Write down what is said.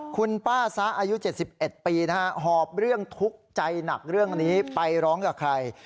คุณป้าซะอายุ๗๑ปีนะฮะหอบเรื่องทุกข์ใจหนักเรื่องนี้ไปร้องกับใคร